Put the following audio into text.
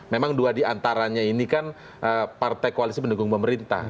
memang dua diantaranya ini kan partai koalisi pendukung pemerintah